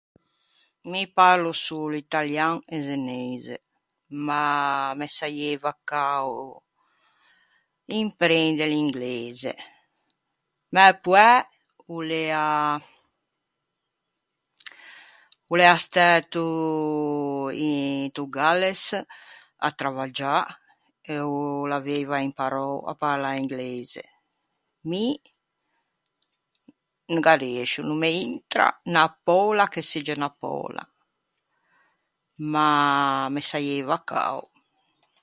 Mi parlo solo italian e zeneise, ma me saieiva cao imprende l'ingleise. Mæ poæ o l'ea, o l'ea stæto into Galles à travaggiâ e o l'aveiva imparou à parlâ ingleise. Mi no gh'arriëscio. No me intra unna poula che segge unna poula, ma me saieiva cao.